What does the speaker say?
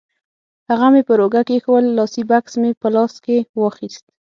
هغه مې پر اوږه کېښوول، لاسي بکس مې په لاس کې واخیست.